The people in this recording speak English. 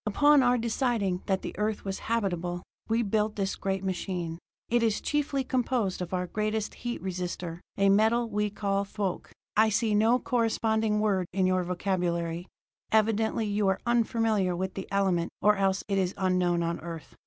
"Upon our deciding that the Earth was habitable, we built this great machine. It is chiefly composed of our greatest heat resister, a metal we call thoque; I see no corresponding word in your vocabulary; evidently you are unfamiliar with the element, or else it is unknown on Earth.